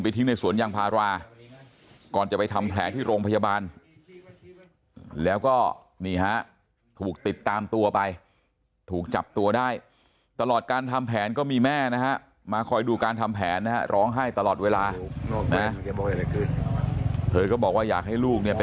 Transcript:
ได้เราอะทำไม่ได้เราอะทำไม่ได้เราอะทำไม่ได้เราอะทำไม่ได้เราอะทำไม่ได้เราอะทำไม่ได้เราอะทำไม่ได้เราอะทำไม่ได้เราอะทำไม่ได้เราอะ